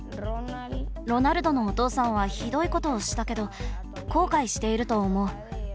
ロナルドのお父さんはひどいことをしたけど後悔していると思う。